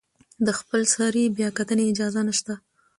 د خپلسرې بیاکتنې اجازه نشته.